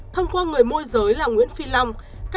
thông qua người môi giới là nguyễn phi long